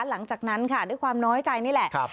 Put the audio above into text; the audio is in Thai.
หลังจากนั้นค่ะด้วยความน้อยใจนี่แหละ